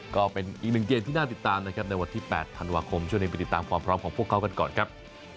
ก็เป็นอีกหนึ่งเกมที่น่าติดตามนะครับในวันที่๘ธันวาคมช่วงนี้ไปติดตามความพร้อมของพวกเขากันก่อนครับ